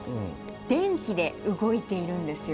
電気で動いているんですよ。